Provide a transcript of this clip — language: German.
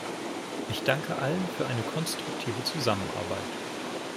Ich danke allen für eine konstruktive Zusammenarbeit.